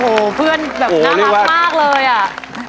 โอ้โหเพื่อนแบบน่ารักมากเลยอ่ะ